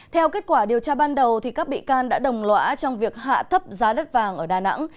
theo kết quả điều tra ban đầu các bị can đã đồng lõa trong việc hạ thấp giá đất vàng ở đà nẵng